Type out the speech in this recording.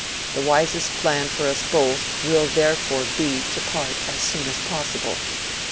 The wisest plan for both of us will therefore be to part as soon as possible.